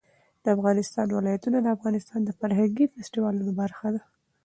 د افغانستان ولايتونه د افغانستان د فرهنګي فستیوالونو برخه ده.